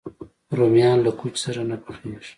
رومیان له کوچ سره نه پخېږي